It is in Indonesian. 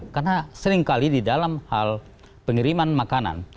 karena sering kali di dalam hal pengiriman makanan